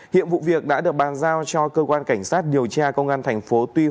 hiện vụ việc đã được bàn giao cho cơ quan cảnh sát điều tra công an thành phố tuy hòa củng cố hồ sơ